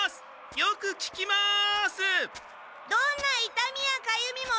よくききます！